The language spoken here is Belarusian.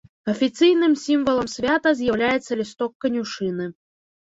Афіцыйным сімвалам свята з'яўляецца лісток канюшыны.